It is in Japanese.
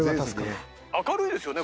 明るいですよね